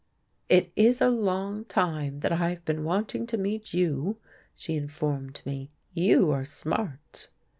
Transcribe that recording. "It is a long time that I have been wanting to meet you," she informed me. "You are smart."